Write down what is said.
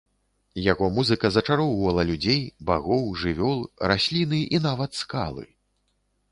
Яго музыка зачароўвала людзей, багоў, жывёл, расліны і нават скалы.